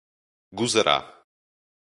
gozará